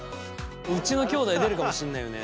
うちのきょうだい出るかもしんないよね。